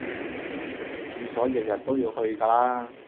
廁所日日都要去㗎啦